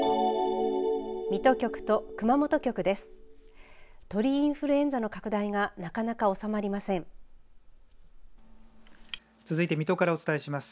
水戸局と熊本局です。